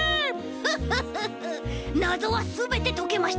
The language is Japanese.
フッフッフッフなぞはすべてとけました！